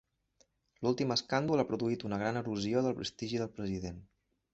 L'últim escàndol ha produït una gran erosió del prestigi del president.